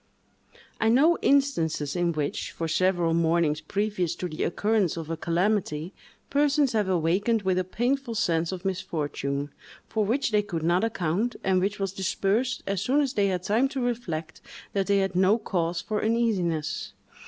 I know instances in which, for several mornings previous to the occurrence of a calamity, persons have awakened with a painful sense of misfortune, for which they could not account, and which was dispersed as soon as they had time to reflect that they had no cause for uneasiness.